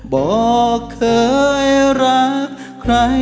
บอกเคยรักใคร